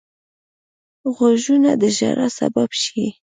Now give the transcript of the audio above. غوږونه د ژړا سبب شي